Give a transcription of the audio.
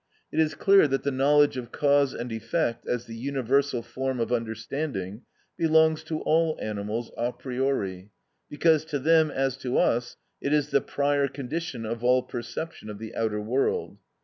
It is clear that the knowledge of cause and effect, as the universal form of understanding, belongs to all animals a priori, because to them as to us it is the prior condition of all perception of the outer world.